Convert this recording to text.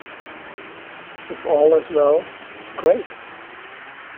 If all is well, great.